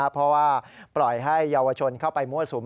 เพราะว่าปล่อยให้เยาวชนเข้าไปมั่วสุม